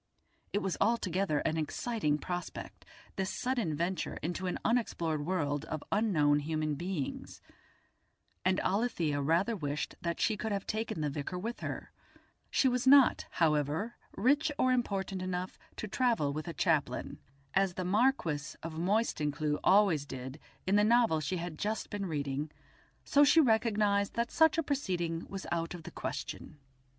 It was altogether an exciting prospect, this sudden venture into an unexplored world of unknown human beings, and Alethia rather wished that she could have taken the vicar with her; she was not, however, rich or important enough to travel with a chaplain, as the Marquis of Moystoncleugh always did in the novel she had just been reading, so she recognised that such a proceeding was out of the question.